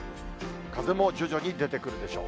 風も徐々に出てくるでしょう。